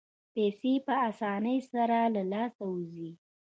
پیسې په اسانۍ سره له لاسه وځي.